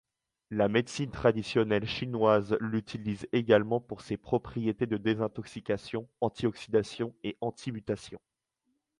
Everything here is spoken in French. La médecine traditionnelle chinoise l'utilise également pour ses propriétés de désintoxication, antioxidation et antimutation.